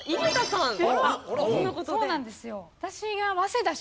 そうなんですよ。